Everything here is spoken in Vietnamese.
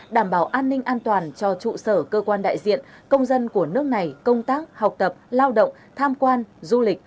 đảm bảo an ninh an toàn cho trụ sở cơ quan đại diện công dân của nước này công tác học tập lao động tham quan du lịch